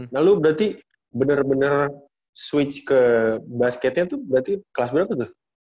lalu berarti benar benar switch ke basketnya tuh berarti kelas berapa tuh